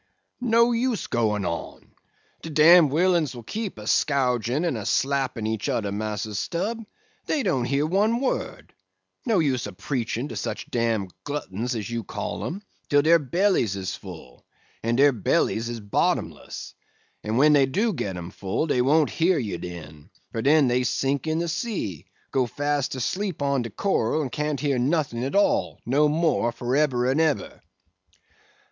"No use goin' on; de dam willains will keep a scougin' and slappin' each oder, Massa Stubb; dey don't hear one word; no use a preachin' to such dam g'uttons as you call 'em, till dare bellies is full, and dare bellies is bottomless; and when dey do get 'em full, dey wont hear you den; for den dey sink in de sea, go fast to sleep on de coral, and can't hear not'ing at all, no more, for eber and eber."